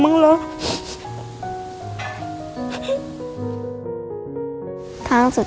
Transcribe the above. มีน้องชายน้องสาว